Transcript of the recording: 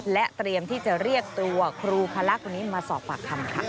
และเตรียมที่จะเรียกตัวครูพระคนนี้มาสอบปากคำค่ะ